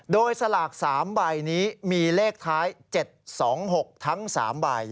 โดยสลาก๓ใบนี้มีเลขท้าย๗๒๖ทั้ง๓ใบ